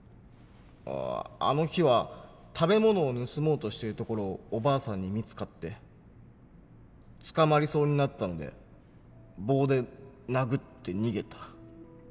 ああの日は食べ物を盗もうとしてるところをおばあさんに見つかって捕まりそうになったので棒で殴って逃げた。